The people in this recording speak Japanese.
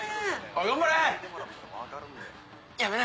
頑張れ！